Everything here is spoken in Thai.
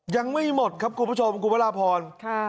ยังไม่หมดครับคุณผู้ชมคุณพระราพร